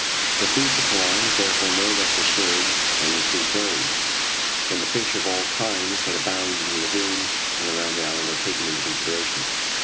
The food supply is therefore no less assured than it is varied, when the fish of all kinds that abound in the lagoon and around the island are taken into consideration.